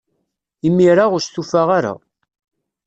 Imir-a, ur stufaɣ ara.